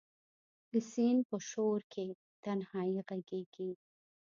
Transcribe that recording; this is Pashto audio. د سیند په شو رکې تنهایې ږغیږې